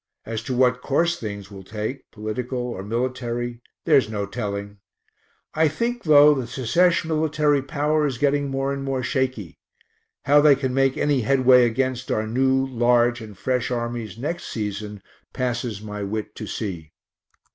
As to what course things will take, political or military, there's no telling. I think, though, the Secesh military power is getting more and more shaky. How they can make any headway against our new, large, and fresh armies next season passes my wit to see.